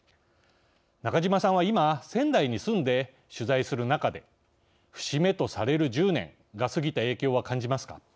中島さんは、今仙台に住んで取材する中で節目とされる１０年が過ぎた影響は感じますか。